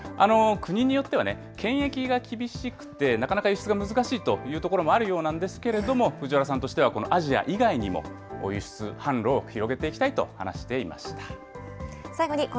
国によっては、検疫が厳しくて、なかなか輸出が難しいという所もあるようなんですけれども、藤原さんとしてはアジア以外にも輸出、販路を広げていきたいと話していました。